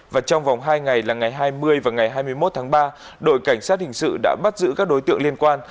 và trong vòng hai ngày là ngày hai mươi và ngày hai mươi một tháng ba đội cảnh sát hình sự đã bắt giữ các đối tượng liên quan